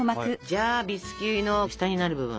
じゃあビスキュイの下になる部分。